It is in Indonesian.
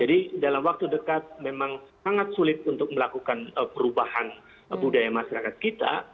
jadi dalam waktu dekat memang sangat sulit untuk melakukan perubahan budaya masyarakat kita